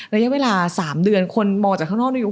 ระยะเวลา๓เดือนคนมองจากข้างนอกอยู่